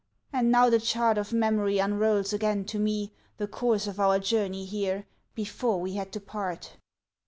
And now the chart Of memory unrolls again to me The course of our journey here, before we had to part.